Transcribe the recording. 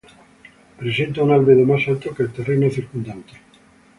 Presenta un albedo más alto que el terreno circundante.